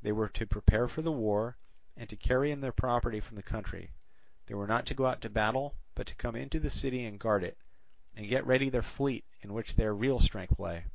They were to prepare for the war, and to carry in their property from the country. They were not to go out to battle, but to come into the city and guard it, and get ready their fleet, in which their real strength lay.